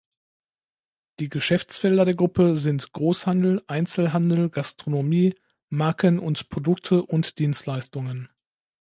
Die Geschäftsfelder der Gruppe sind Großhandel, Einzelhandel, Gastronomie, Marken und Produkte und Dienstleistungen.